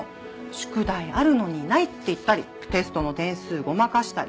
宿題あるのにないって言ったりテストの点数ごまかしたり。